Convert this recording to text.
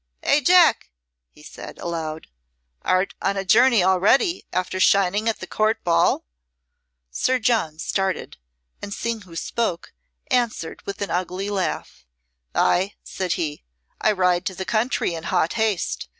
"Eh, Jack!" he said, aloud, "art on a journey already, after shining at the Court ball?" Sir John started, and seeing who spoke, answered with an ugly laugh. "Ay," said he, "I ride to the country in hot haste.